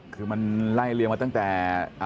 คือมันไล่แล้วกันมาตั้งแต่